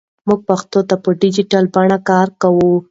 موږ پښتو ته په ډیجیټل بڼه کار کوو.